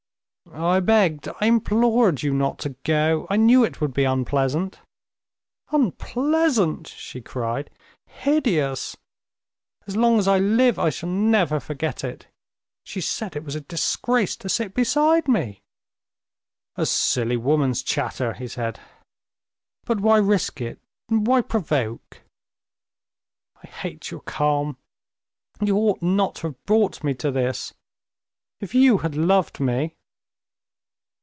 "I begged, I implored you not to go, I knew it would be unpleasant...." "Unpleasant!" she cried—"hideous! As long as I live I shall never forget it. She said it was a disgrace to sit beside me." "A silly woman's chatter," he said: "but why risk it, why provoke?..." "I hate your calm. You ought not to have brought me to this. If you had loved me...."